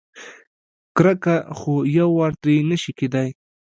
کرکه خو یوار ترې نشي کېدای.